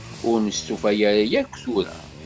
Ur nestufa ara akk tura.